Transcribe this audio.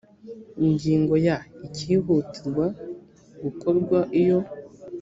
ingingo ya icyihutirwa gukorwa iyo